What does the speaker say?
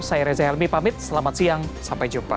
saya reza helmi pamit selamat siang sampai jumpa